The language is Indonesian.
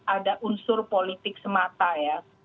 ada unsur politik semata ya